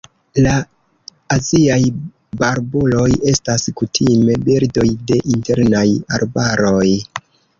La aziaj barbuloj estas kutime birdoj de internaj arbaroj.